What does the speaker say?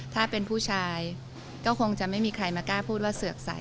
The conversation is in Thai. ถ้าเป็นผู้ชายก็คงจะไม่มีใครมากล้าพูดว่าเสือกใส